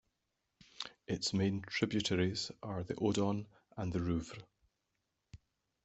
Its main tributaries are the Odon and the Rouvre.